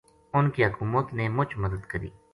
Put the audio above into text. انھ کی حکومت نے مُچ مدد کری